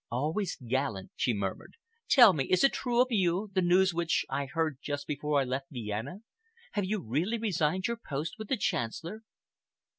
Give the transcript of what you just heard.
"Always gallant," she murmured. "Tell me, is it true of you—the news which I heard just before I left Vienna? Have you really resigned your post with the Chancellor?"